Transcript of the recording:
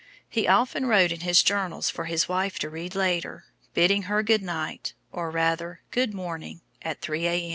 He often wrote in his journals for his wife to read later, bidding her Good night, or rather Good morning, at three A.